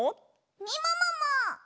みももも！